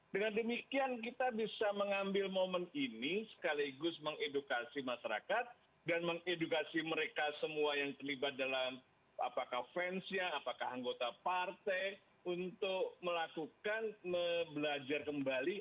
dengan demikian kita bisa mengambil momen ini sekaligus mengedukasi masyarakat dan mengedukasi mereka semua yang terlibat dalam apakah fansnya apakah anggota partai untuk melakukan belajar kembali